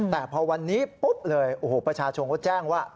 แต่พอวันนี้ปุ๊บเลยโอ้โหประชาชนเขาแจ้งว่า